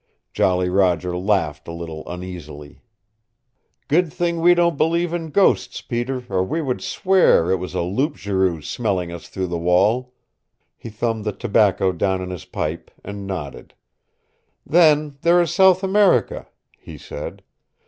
Jolly Roger laughed a little uneasily. "Good thing we don't believe in ghosts, Peter, or we would swear it was a Loup Garou smelling us through the wall!" He thumbed the tobacco down in his pine, and nodded. "Then there is South America," he said.